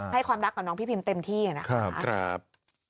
ความรักกับน้องพี่พิมเต็มที่นะครับ